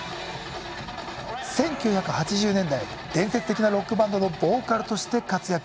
１９８０年代伝説的なロックバンドのボーカルとして活躍。